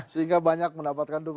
sehingga banyak mendapatkan dukungan